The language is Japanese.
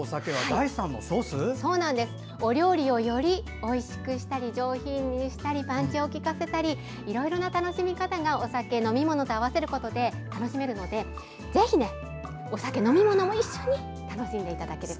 お料理をよりおいしくしたり上品にしたりパンチをきかせたりいろいろな楽しみ方がお酒、飲み物と合わせることで楽しめるのでぜひお酒、飲み物も一緒に楽しんでいただけたらと。